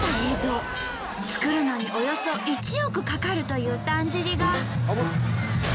作るのにおよそ１億かかるというだんじりが。